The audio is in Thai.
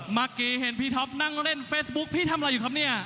เมื่อกี้เห็นพี่ท็อปนั่งเล่นเฟซบุ๊คพี่ทำอะไรอยู่ครับเนี่ย